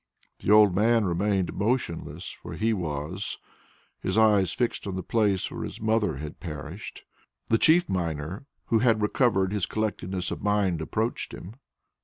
The old man remained motionless where he was, his eyes fixed on the place where his mother had perished. The chief miner, who had recovered his collectedness of mind, approached him.